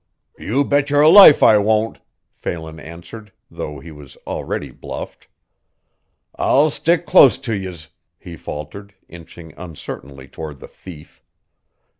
"You bet your life I won't," Phelan answered, though he was already bluffed. "I'll stick close to yez," he faltered, inching uncertainly toward the thief.